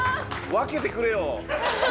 分けてくれよ。